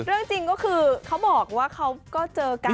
เรื่องจริงก็คือเขาบอกว่าเขาก็เจอกัน